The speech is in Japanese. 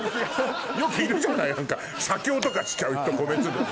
よくいるじゃない写経とかしちゃう人米粒に。